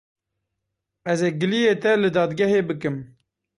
Ez ê giliyê te li dadgehekê bikim.